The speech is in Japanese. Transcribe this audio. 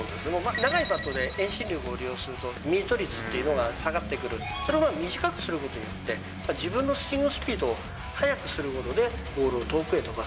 長いバットで遠心力を利用すると、ミート率というのが下がってくる、その分、短くすることによって、自分のスイングスピードを速くすることで、ボールを遠くへ飛ばす。